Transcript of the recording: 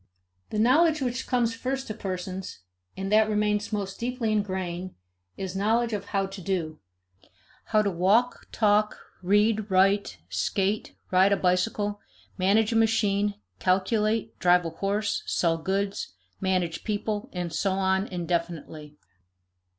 I. The knowledge which comes first to persons, and that remains most deeply ingrained, is knowledge of how to do; how to walk, talk, read, write, skate, ride a bicycle, manage a machine, calculate, drive a horse, sell goods, manage people, and so on indefinitely.